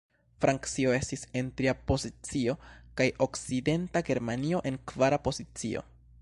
Francio estis en tria pozicio, kaj Okcidenta Germanio en kvara pozicio.